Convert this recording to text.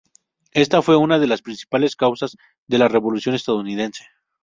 Esta fue una de las principales causas de la Revolución estadounidense.